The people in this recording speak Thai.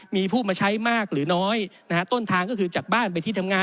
มีผู้มาใช้มากหรือน้อยนะฮะต้นทางก็คือจากบ้านไปที่ทำงาน